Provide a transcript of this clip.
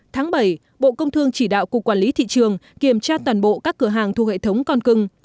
tháng bảy bộ công thương chỉ đạo cục quản lý thị trường kiểm tra toàn bộ các cửa hàng thu hệ thống con cưng